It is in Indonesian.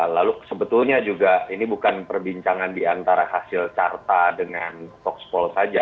lalu sebetulnya juga ini bukan perbincangan diantara hasil carta dengan voxpol saja